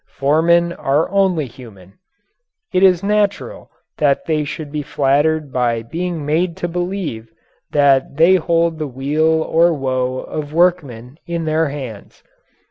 Foremen are only human. It is natural that they should be flattered by being made to believe that they hold the weal or woe of workmen in their hands.